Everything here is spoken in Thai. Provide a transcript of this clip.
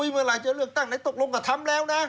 เมื่อไหร่จะเลือกตั้งไหนตกลงก็ทำแล้วนะ